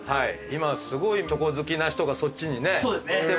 今すごいチョコ好きな人がそっちにねきてますもんね。